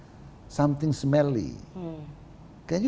ada yang mengatakan sesuatu yang berbau